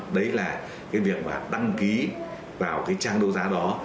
đấy là cái việc mà đăng ký vào cái trang đấu giá đó